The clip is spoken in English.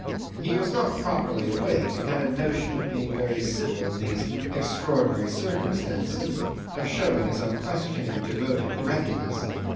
He was not properly awake, and had a notion of being very civil in these extraordinary circumstances, of showing his unquestioning, devoted readiness.